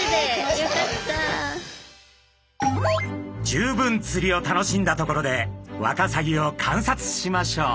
十分釣りを楽しんだところでワカサギを観察しましょう。